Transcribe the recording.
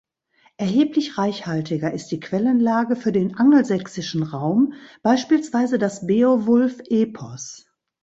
Erheblich reichhaltiger ist die Quellenlage für den angelsächsischen Raum, beispielsweise das Beowulf-Epos.